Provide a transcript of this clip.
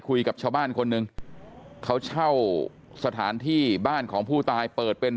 คุยกับชาวบ้านคนหนึ่งเขาเช่าสถานที่บ้านของผู้ตายเปิดเป็น